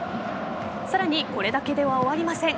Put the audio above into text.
さらにこれだけでは終わりません。